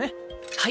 はい。